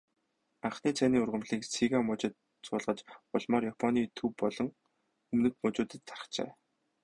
Анхны цайны ургамлыг Сига мужид суулгаж, улмаар Японы төв болон өмнөд мужуудад тархжээ.